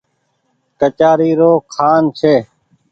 ڪچآري رو کآن ڇي۔